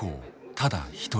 ただ一人。